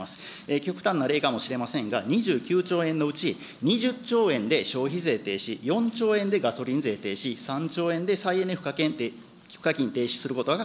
極端な例かもしれませんが、２９兆円のうち２０兆円で消費税停止、４兆円でガソリン税停止、３兆円で再エネ賦課金を可能です。